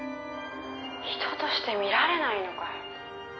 「人として見られないのかよ」